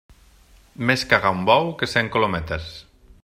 Més caga un bou, que cent colometes.